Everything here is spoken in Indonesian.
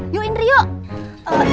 yuk indri yuk